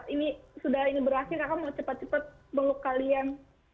ini sudah ini berakhir kakak mau cepat cepat meluk kalian